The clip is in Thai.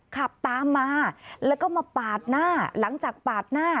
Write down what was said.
ขับตามมาแล้วก็มาปาดหน้าหลังจากปาดหน้า